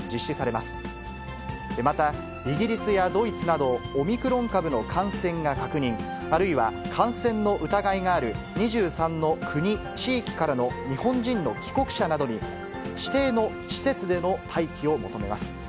またイギリスやドイツなど、オミクロン株の感染が確認、あるいは感染の疑いがある２３の国・地域からの日本人の帰国者などに、指定の施設での待機を求めます。